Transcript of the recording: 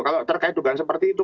kalau terkait dugaan seperti itu